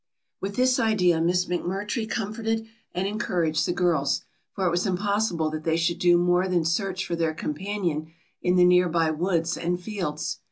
With this idea Miss McMurtry comforted and encouraged the girls, for it was impossible that they should do more than search for their companion in the near by woods and fields.